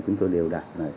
chúng tôi đều đạt